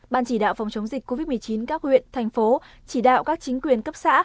ban chỉ đạo phòng chống dịch covid một mươi chín các huyện thành phố chỉ đạo các chính quyền cấp xã